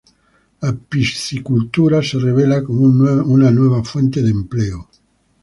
La piscicultura se revela como una nueva fuente de empleo.